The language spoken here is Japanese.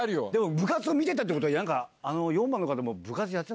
部活を見てたってことは４番の方も。